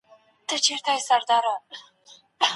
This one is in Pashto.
د څېړني پړاوونه په ترتیب سره ترسره کړه.